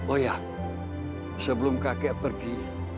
oh ya sebelum kakek pergi